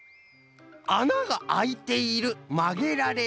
「あながあいている」「まげられる」。